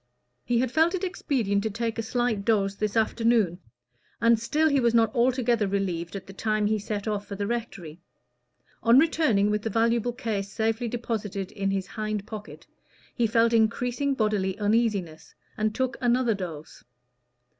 He had felt it expedient to take a slight dose this afternoon, and still he was not altogether relieved at the time he set off for the rectory. On returning with the valuable case safely deposited in his hind pocket, he felt increasing bodily uneasiness, and took another dose.